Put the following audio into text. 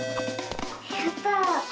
やった！